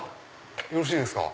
よろしいですか？